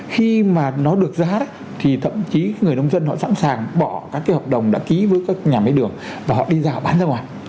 khi mà nó được giá thì thậm chí người nông dân họ sẵn sàng bỏ các cái hợp đồng đã ký với các nhà máy đường và họ đi giao bán ra ngoài